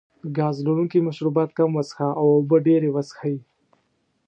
ګاز لرونکي مشروبات کم وڅښه او اوبه ډېرې وڅښئ.